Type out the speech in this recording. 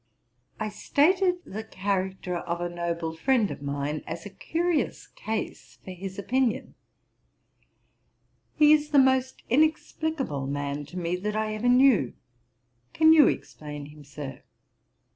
I stated the character of a noble friend of mine, as a curious case for his opinion: 'He is the most inexplicable man to me that I ever knew. Can you explain him, Sir?